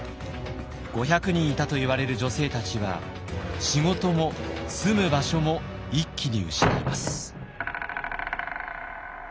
５００人いたといわれる女性たちは仕事も住む場所も一気に失います。